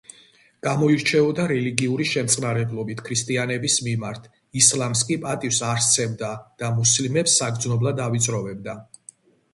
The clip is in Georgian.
გამოირჩეოდა რელიგიური შემწყნარებლობით ქრისტიანების მიმართ, ისლამს კი პატივს არ სცემდა და მუსლიმებს საგრძნობლად ავიწროვებდა.